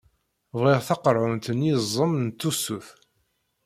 Bɣiɣ taqerɛunt n yiẓem n tusut.